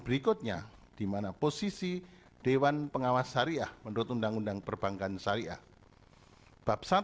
berikutnya dimana posisi dewan pengawas syariah menurut undang undang perbankan syariah bab satu